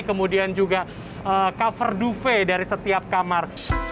kemudian juga cover duve dari setiap kamar